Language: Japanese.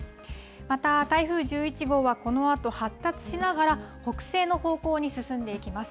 また台風１１号は、このあと発達しながら北西の方向に進んでいきます。